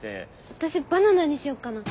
私バナナにしよっかな。